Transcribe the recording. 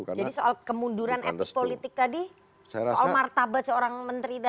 jadi soal kemunduran etik politik tadi soal martabat seorang menteri tadi